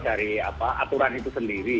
dari aturan itu sendiri